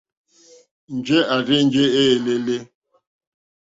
Njɛ̂ à rzênjé èlèlà.